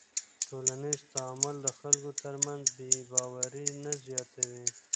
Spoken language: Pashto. ټولنیز تعامل د خلکو تر منځ بېباوري نه زیاتوي.